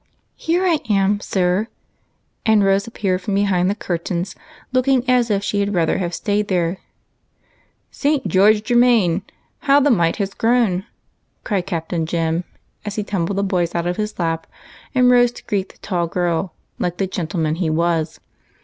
" Here I am, sir," and Rose appeared from behind the curtains, looking as if she had rather have staid there. " Saint George Germain, how the mite has grown !" cried Captain Jem, as he tumbled the boys out of his lap,' and rose to greet the tall girl, like a gentleman as he was.